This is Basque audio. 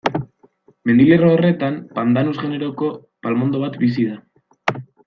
Mendilerro horretan, Pandanus generoko palmondo bat bizi da.